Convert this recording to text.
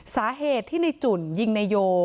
สาเหตุที่ในจุ่นยิงนายโย